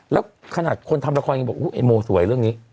แล้วขนาดคนทำละครยังบอกไอ้โมสวยเรื่องนี้